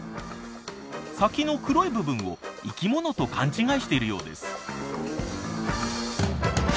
先の黒い部分を生きものと勘違いしているようです。